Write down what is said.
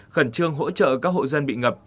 khẩn trương hỗ trợ các hộ dân bị ngập